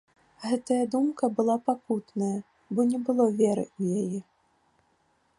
Гэтая думка была пакутная, бо не было веры ў яе.